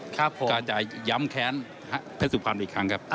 การจะย้ำแค้นแพทย์สุภัณฑ์อีกครั้งครับ